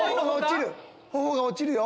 頬が落ちるよ！